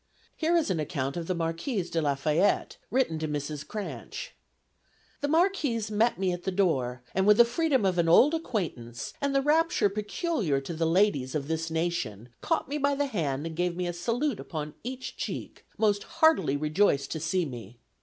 Here is an account of the Marquise de Lafayette, written to Mrs. Cranch: "The Marquise met me at the door, and with the freedom of an old acquaintance, and the rapture peculiar to the ladies of this nation, caught me by the hand and gave me a salute upon each cheek, most heartily rejoiced to see me.